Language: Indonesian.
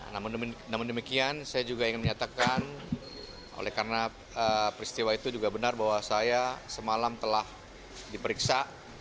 namun demikian saya juga ingin menyatakan oleh karena peristiwa itu juga benar bahwa saya semalam telah diperiksa